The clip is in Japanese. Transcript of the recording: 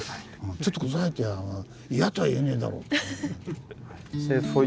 「ちょっと下さいって言やあ嫌とは言えねえだろう」。